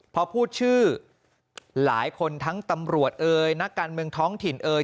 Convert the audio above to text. พอพูดชื่อหลายคนทั้งตำรวจเอ่ยนักการเมืองท้องถิ่นเอ่ย